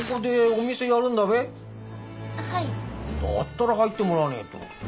だったら入ってもらわねえと。